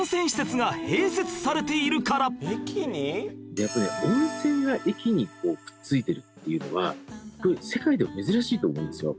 やっぱね温泉が駅にくっついてるっていうのは世界でも珍しいと思うんですよ。